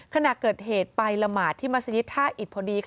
ขณะเกิดเหตุไปละหมาที่มาศีริษย์ท่าอิทพระดี